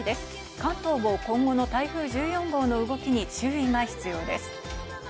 関東も今後の台風１４号の動きに注意が必要です。